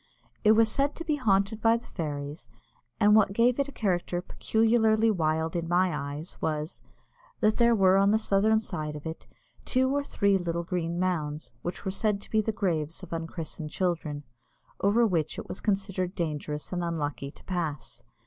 It was said to be haunted by the fairies, and what gave it a character peculiarly wild in my eyes was, that there were on the southern side of it two or three little green mounds, which were said to be the graves of unchristened children, over which it was considered dangerous and unlucky to pass.